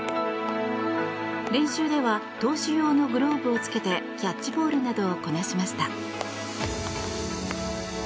練習では投手用のグローブをつけてキャッチボールなどをこなしました。